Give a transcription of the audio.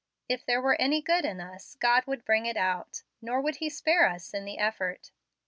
If there were any good in us, God would bring it out, nor would He spare us in the effort.